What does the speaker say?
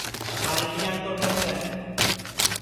ٻالٹیام تو ٹُنٚگ ہے